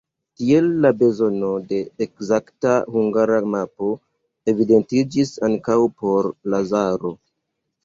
Tiel la bezono de ekzakta Hungara mapo evidentiĝis ankaŭ por Lazaro.